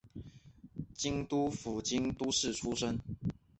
京都府京都市出身。